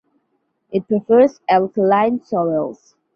It prefers alkaline soils.